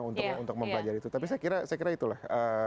untuk mempelajari itu tapi saya kira itu lah